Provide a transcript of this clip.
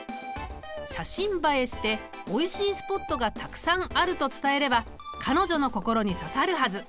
写真映えしておいしいスポットがたくさんあると伝えれば彼女の心に刺さるはず。